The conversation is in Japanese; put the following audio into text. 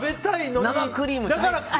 生クリーム大好き。